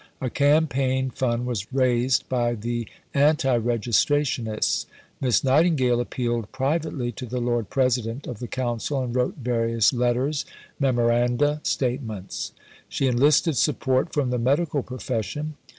A campaign fund was raised by the anti Registrationists. Miss Nightingale appealed privately to the Lord President of the Council and wrote various letters, Memoranda, Statements. She enlisted support from the medical profession.